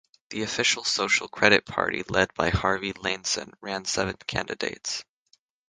The official Social Credit Party led by Harvey Lainson ran seven candidates.